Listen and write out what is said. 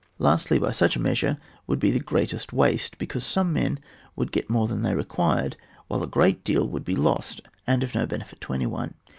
Lastly, by such a measure there would be the greatest waste, because some men would get more than they required, whilst a great deal would be lost, and of no benefit to any one.